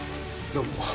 どうも。